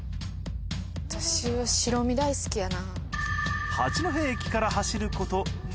私白身大好きやな。